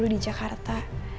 dulu di jakarta